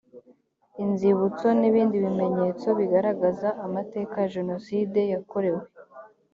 inzibutso n ibindi bimenyetso bigaragaza amateka ya jenoside yakorewe